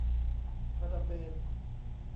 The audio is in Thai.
พาราเบน